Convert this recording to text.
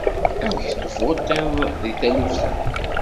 Amek tvuṭiḍ deg taluft-a?